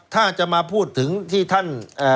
ถ้าจะมาพูดถึงที่ท่าน